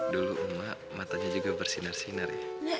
dulu emak matanya juga bersinar sinar ya